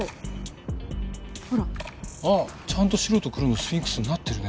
あっちゃんと白と黒のスフィンクスになってるね。